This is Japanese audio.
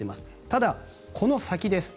ただ、この先です。